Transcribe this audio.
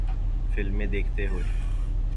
فلمیں دیکھتے ہوئے